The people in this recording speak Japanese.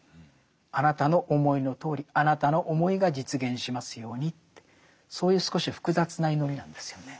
あなたの思いのとおりあなたの思いが実現しますようにってそういう少し複雑な祈りなんですよね。